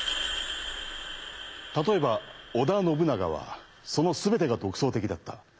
例えば織田信長はその全てが独創的だった。